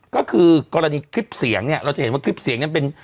ก็คือกรณีคลิปเสียงเนี่ยเราจะเห็นว่าคลิปเสียงนั้นเป็น